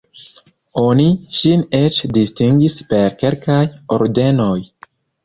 Oni ŝin eĉ distingis per kelkaj ordenoj.